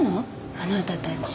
あなたたち。